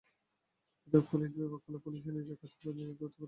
পৃথক পুলিশ বিভাগ হলে পুলিশ নিজেদের কাজগুলো নিজেরা দ্রুত করতে পারবে।